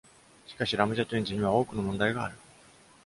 しかし、ラムジェット・エンジンには多くの問題がある。